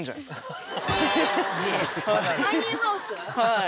はい。